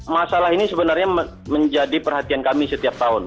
masalah ini sebenarnya menjadi perhatian kami setiap tahun